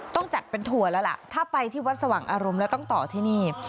ต้องจัดเป็นถั่วแล้วล่ะถ้าไปที่วัดสว่างอารมณ์แล้วต้องต่อที่นี่